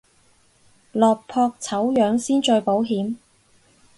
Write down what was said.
落得醜樣先最保險